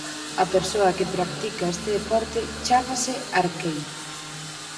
A persoa que practica este deporte chámase "arqueiro".